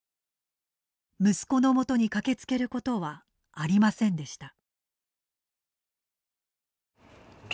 息子の元に駆けつけることはありませんでした。